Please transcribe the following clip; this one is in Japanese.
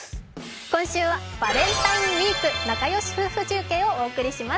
今週は「バレンタインウイーク仲よし夫婦中継」をお送りします。